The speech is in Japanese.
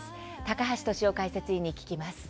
高橋俊雄解説委員に聞きます。